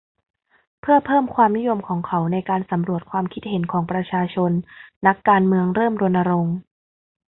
เพื่อเพิ่มความนิยมของเขาในการสำรวจความคิดเห็นของประชาชนนักการเมืองเริ่มรณรงค์